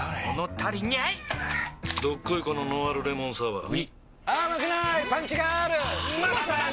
どっこいこのノンアルレモンサワーうぃまさに！